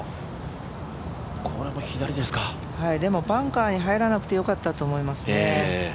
バンカーに入らなくて良かったと思います。